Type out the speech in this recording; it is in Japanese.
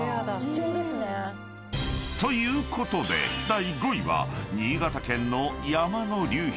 ［ということで第５位は新潟県の山の流氷。